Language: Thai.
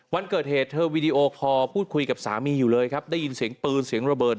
วันเกิดเหตุเธอวีดีโอคอร์พูดคุยกับสามีอยู่เลยครับได้ยินเสียงปืนเสียงระเบิด